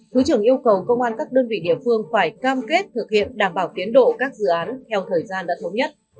thứ trưởng yêu cầu công an các đơn vị địa phương phải cam kết thực hiện đảm bảo tiến độ các dự án theo thời gian đã thống nhất